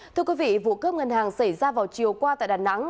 thưa quý vị vụ cướp ngân hàng xảy ra vào chiều qua tại đà nẵng